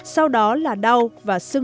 sau đó là đau và sưng